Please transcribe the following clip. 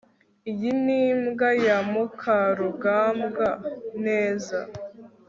iyi ni imbwa ya mukarugambwa neza